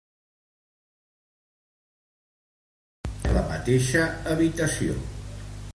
Les dos xiquetes compartien la mateixa habitació.